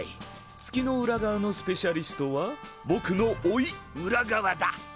月の裏側のスペシャリストはぼくのおいウラガワだ！